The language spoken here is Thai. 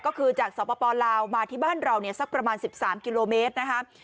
ก็คือจากสปลาวมาที่บ้านเราเนี่ยสักประมาณ๑๓กิโลเมตรนะครับ